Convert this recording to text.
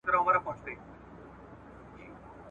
کوډي منتر سوځوم `